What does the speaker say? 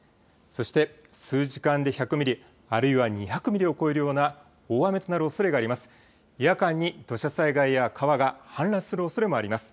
そして数時間で１００ミリ、あるいは２００ミリを超えるような大雨となるおそれがあります。